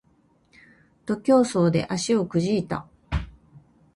徒競走で足をくじいた